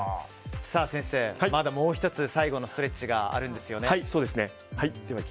先生、まだもう１つ、最後のストレッチがあるんですよね。